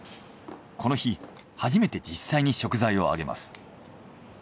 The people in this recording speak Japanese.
この日初めて実際に食材を揚げます。